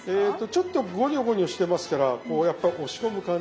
ちょっとごにょごにょしてますからやっぱ押し込む感じ。